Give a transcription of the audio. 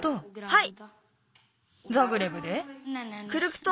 はい。